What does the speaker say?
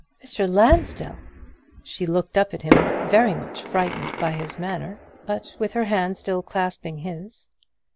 "Mr. Lansdell!" She looked up at him very much frightened by his manner, but with her hand still clasping his.